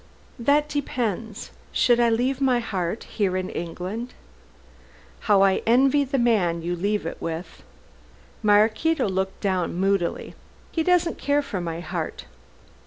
"That depends. Should I leave my heart in England " "How I envy the man you leave it with." Maraquito looked down moodily. "He doesn't care for my heart."